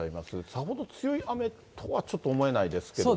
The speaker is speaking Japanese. さほど強い雨とはちょっと思えなそうですね。